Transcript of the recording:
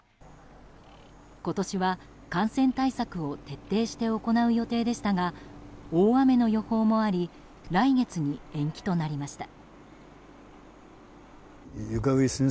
今年は感染対策を徹底して行う予定でしたが大雨の予報もあり来月に延期となりました。